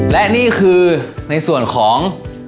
และนี่คือในส่วนของ